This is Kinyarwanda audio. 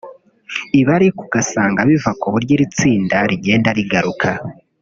Ibi ariko ugasanga biva ku buryo iri tsinda rigenda rigaruka